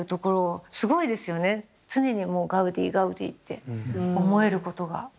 常にもうガウディガウディって思えることが。